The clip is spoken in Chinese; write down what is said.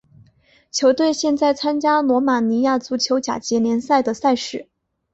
球队现在参加罗马尼亚足球甲级联赛的赛事。